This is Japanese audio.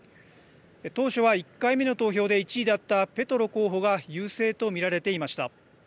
当初は１回目の投票で１位だったペトロ候補が優勢と見られていました。